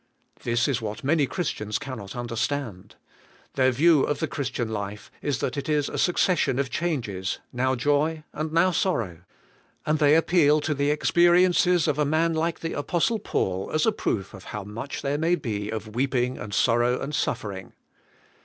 This is what many Christians cannot understand. Their view of the Christian life is that it is a succession of changes, now joy and now sorrow. And they appeal to the experi 188 ABIDE IN CHEIST : 4 ences of a man like the Apostle Paul, as a proof of *4^ how much there may be of weeping, and sorrow, and sufEering.